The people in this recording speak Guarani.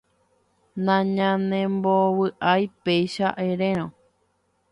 nañanembovy'ái péicha erérõ.